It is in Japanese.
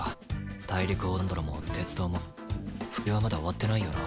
大陸横断道路も鉄道も復旧はまだ終わってないよな。